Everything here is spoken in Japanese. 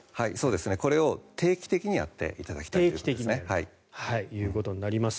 これを定期的にやっていただきたいと思います。